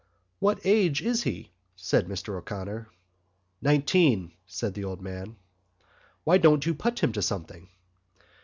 "What age is he?" said Mr O'Connor. "Nineteen," said the old man. "Why don't you put him to something?"